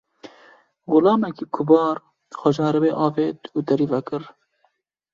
Xulamekî kubar xwe ji erebê avêt û derî vekir.